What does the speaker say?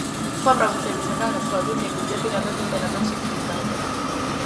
სხვა პროვინციებისგან განსხვავებით ეგვიპტე პირადად იმპერატორს ექვემდებარებოდა.